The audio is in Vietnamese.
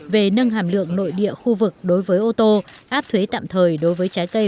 về nâng hàm lượng nội địa khu vực đối với ô tô áp thuế tạm thời đối với trái cây